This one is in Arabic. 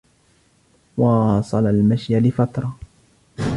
واصل المشي لفترة.